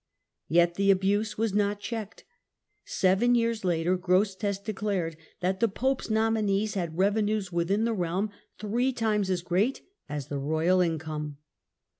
Yet the abuse was not checked. Seven years later Grosseteste declared that the pope's nominees had revenues within the realm three times as great as the royal mcome.